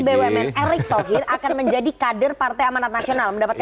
bumn erick thohir akan menjadi kader partai amanat nasional mendapatkan